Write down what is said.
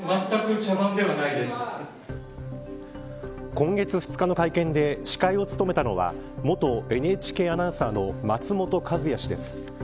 今月２日の会見で司会を務めたのは元ＮＨＫアナウンサーの松本和也氏です。